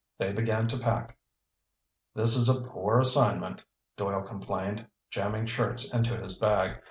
They began to pack. "This is a poor assignment," Doyle complained, jamming shirts into his bag.